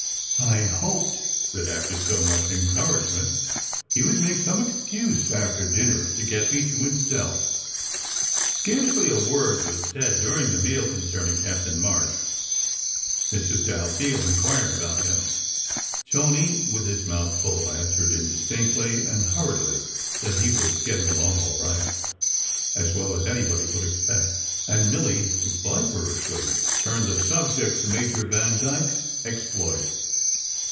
I hoped that after so much encouragement, he would make some excuse after dinner to get me to himself. Scarcely a word was said during the meal concerning Captain March. Mrs. Dalziel inquired about him; Tony with his mouth full answered indistinctly and hurriedly that he was "getting along all right" as well as anybody could expect; and Milly viperishly turned the subject to Major Vandyke s exploit.